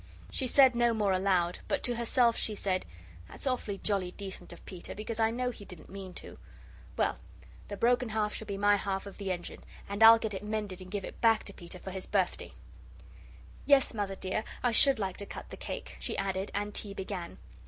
She said no more aloud, but to herself she said: "That was awfully jolly decent of Peter because I know he didn't mean to. Well, the broken half shall be my half of the engine, and I'll get it mended and give it back to Peter for his birthday." "Yes, Mother dear, I should like to cut the cake," she added, and tea began.